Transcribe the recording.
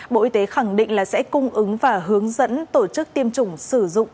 bộ y tế khẳng định là sẽ cung ứng và hướng dẫn tổ chức tiêm chủng sử dụng